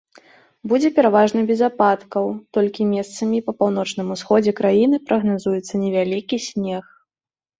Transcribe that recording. Будзе пераважна без ападкаў, толькі месцамі па паўночным усходзе краіны прагназуецца невялікі снег.